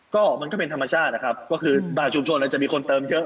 ก็มันก็เป็นธรรมชาตินะครับก็คือบางชุมชนเราจะมีคนเติมเยอะ